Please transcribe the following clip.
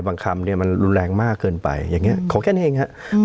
คำเนี่ยมันรุนแรงมากเกินไปอย่างนี้ขอแค่นั้นเองครับ